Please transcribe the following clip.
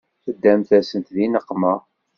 Teddamt-asent di nneqma.